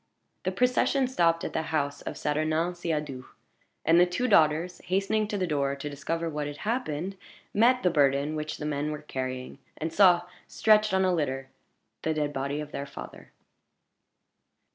The procession stopped at the house of Saturnin Siadoux; and the two daughters, hastening to the door to discover what had happened, met the burden which the men were carrying, and saw, stretched on a litter, the dead body of their father.